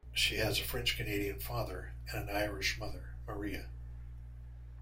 She has a French-Canadian father and an Irish mother, Maria.